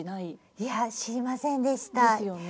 いや知りませんでした。ですよね。